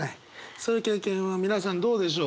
そういう経験は皆さんどうでしょう？